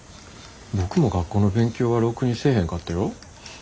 僕も学校の勉強はろくにせえへんかったよ。